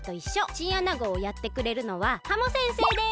チンアナゴをやってくれるのはハモ先生です。